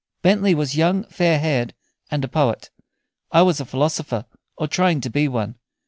Bentley was young, fair haired, and a poet; I was a philosopher, or trying to be one.